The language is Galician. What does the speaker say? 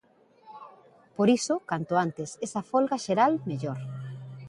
Por iso canto antes esa folga xeral mellor.